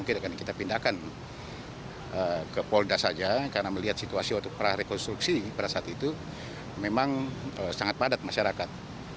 kita akan kita pindahkan ke polda saja karena melihat situasi waktu prarekonstruksi pada saat itu memang sangat padat masyarakat